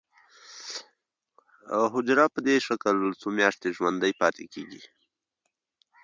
حجره په دې شکل څو میاشتې ژوندی پاتې کیږي.